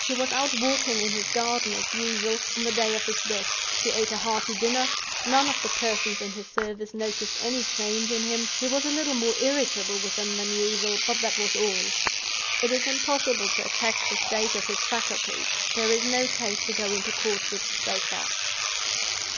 He was out walking in his garden, as usual, on the day of his death; he ate a hearty dinner; none of the persons in his service noticed any change in him; he was a little more irritable with them than usual, but that was all. It is impossible to attack the state of his faculties: there is no case to go into court with, so far.